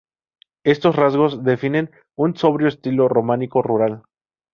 Estos rasgos, definen un sobrio estilo románico rural.